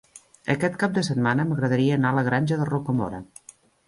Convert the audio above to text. Aquest cap de setmana m'agradaria anar a la Granja de Rocamora.